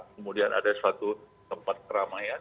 kemudian ada suatu tempat keramaian